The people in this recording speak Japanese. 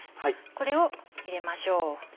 これを入れましょう。